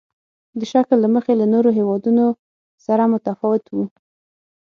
د شکل له مخې له نورو هېوادونو سره متفاوت وو.